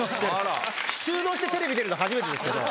収納してテレビ出るの初めてですけど。